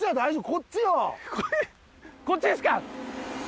こっちですか！